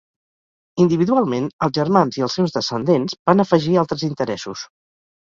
Individualment, els germans i els seus descendents, van afegir altres interessos.